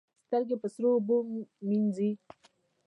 سترګې په سړو اوبو وینځئ